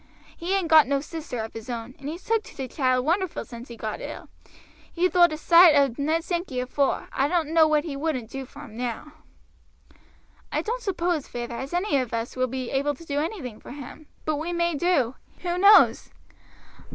He ain't got no sister of his own, and he's took to t' child wonderful since he got ill. He thowt a soight o' Ned Sankey afore; I doan't know what he wouldn't do for him now." "I don't suppose, feyther, as any of us will be able to do anything for him; but we may do, who knows?"